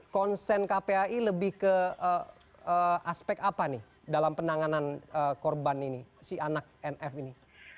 konsen kpai lebih ke aspek apa nih dalam penanganan korban ini si anak nf ini